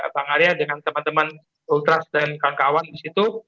bang arya dengan teman teman ultras dan kawan kawan di situ